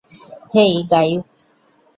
হেই, guys.